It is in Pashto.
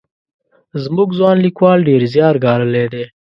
زموږ ځوان لیکوال ډېر زیار ګاللی دی.